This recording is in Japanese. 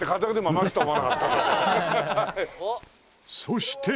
そして。